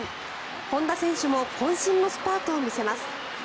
本多選手もこん身のスパートを見せます。